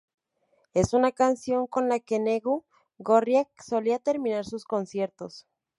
Es una canción con la que Negu Gorriak solía terminar sus conciertos.